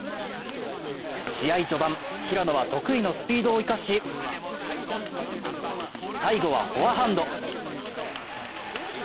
試合序盤、平野は得意のスピードを生かし、最後はフォアハンド。